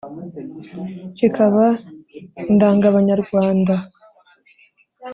kikaba indangabanyarwanda.